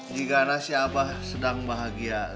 gimana si abah sedang bahagia